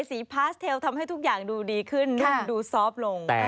พาสเทลทำให้ทุกอย่างดูดีขึ้นนุ่มดูซอฟต์ลง